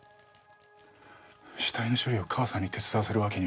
死体の処理を母さんに手伝わせるわけにはいかない。